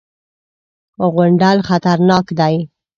_غونډل خطرناکه دی.